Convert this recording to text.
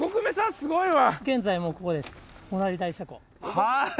すごいわ！